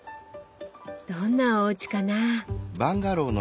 どんなおうちかな？